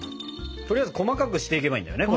とりあえず細かくしていけばいいんだよね？